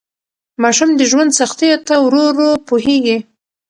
ماشوم د ژوند سختیو ته ورو ورو پوهیږي.